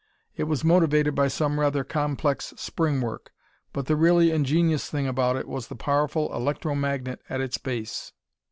It was motivated by some rather complex spring work; but the really ingenious thing about it was the powerful electro magnet at its base.